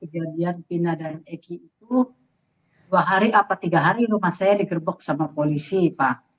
kejadian pina dan eki itu dua hari apa tiga hari rumah saya digerbek sama polisi pak